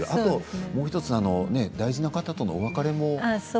もう１つ大事な方とのお別れも。